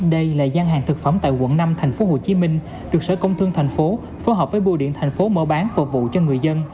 đây là gian hàng thực phẩm tại quận năm tp hcm được sở công thương tp phối hợp với bùa điện tp mở bán phục vụ cho người dân